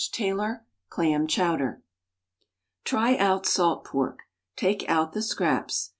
Taylor CLAM CHOWDER Try out salt pork. Take out the scraps.